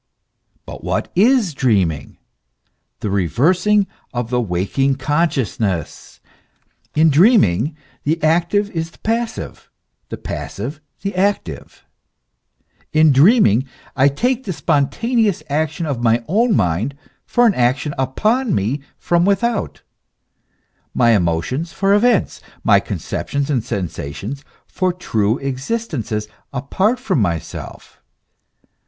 But what is dreaming ? The reversing of the waking consciousness. In dreaming, the active is the passive, the passive the active ; in dreaming, I take the spontaneous action of my own mind for an action upon me from without, my emotions for events, my conceptions and sensations for true existences apart from myself.